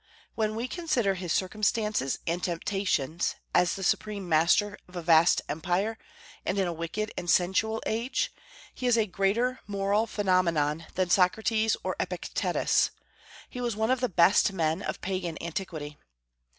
When we consider his circumstances and temptations, as the supreme master of a vast Empire, and in a wicked and sensual age, he is a greater moral phenomenon than Socrates or Epictetus. He was one of the best men of Pagan antiquity.